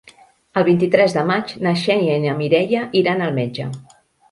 El vint-i-tres de maig na Xènia i na Mireia iran al metge.